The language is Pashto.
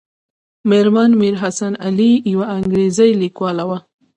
مېرمن میر حسن علي یوه انګریزۍ لیکواله وه.